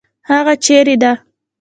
هغه چیرې ده؟